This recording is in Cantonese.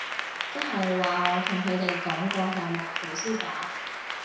即係話我同佢哋講個項目取消咗